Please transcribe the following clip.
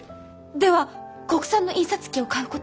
では国産の印刷機を買うことも？